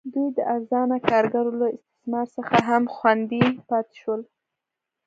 دوی د ارزانه کارګرو له استثمار څخه هم خوندي پاتې شول.